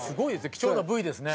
貴重なＶですね。